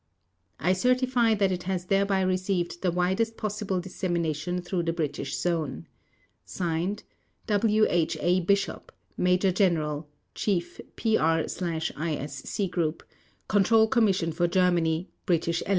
I certify that it has thereby received the widest possible dissemination throughout the British Zone. /s/ W. H. A. BISHOP Major General, Chief, PR/ISC Group, Control Commission for Germany (BE).